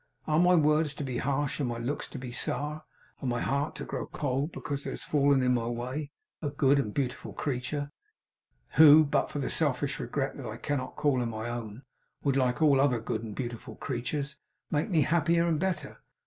Are my words to be harsh and my looks to be sour, and is my heart to grow cold, because there has fallen in my way a good and beautiful creature, who but for the selfish regret that I cannot call her my own, would, like all other good and beautiful creatures, make me happier and better!